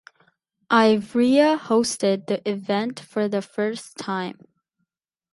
Ivrea hosted the event for the first time.